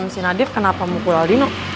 si nadif kenapa mau pukul aldino